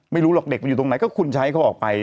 ไม่รู้หรอกเด็กมันอยู่ตรงไหนก็คุณใช้เขาออกไป